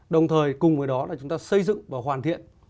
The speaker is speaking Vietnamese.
đồng thời cùng với đó là chúng ta xây dựng và hoàn thiện